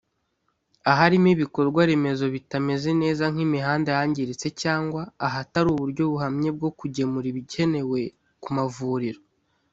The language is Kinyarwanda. aharimo ibikorwa remezo bitameze neza nk’imihanda yangiritse cyangwa ahatari uburyo buhamye bwo kugemura ibikenewe ku mavuriro